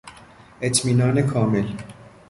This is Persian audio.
اطمینان کامل